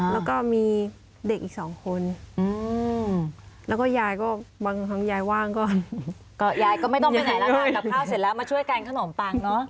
ยายก็ไม่ต้องไปไหนละกับข้าวเสร็จแล้วมาช่วยกันขนมปังเนอะ